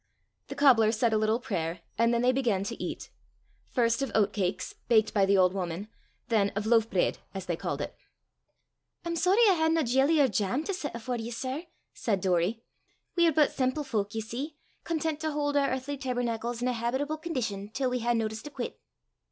The cobbler said a little prayer, and then they began to eat first of oat cakes, baked by the old woman, then of loaf breid, as they called it. "I'm sorry I hae nae jeally or jam to set afore ye, sir," said Doory, "we're but semple fowk, ye see content to haud oor earthly taibernacles in a haibitable condition till we hae notice to quit."